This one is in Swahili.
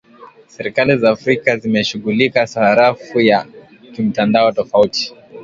Serikali za Afrika zimeshughulikia sarafu ya kimtandao tofauti